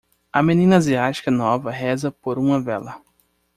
A menina asiática nova reza por uma vela.